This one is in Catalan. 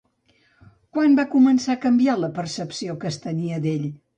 Quan va començar a canviar la percepció que es tenia d'ell?